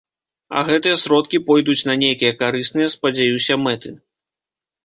А гэтыя сродкі пойдуць на нейкія карысныя, спадзяюся, мэты.